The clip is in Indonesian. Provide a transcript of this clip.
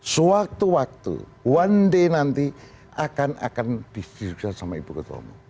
sewaktu waktu one day nanti akan akan diskusikan sama ibu ketua umum